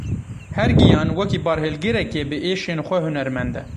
Her giyan, wekî barhilgirekê bi êşên xwe hunermend e.